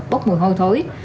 bốc mùi hồi thối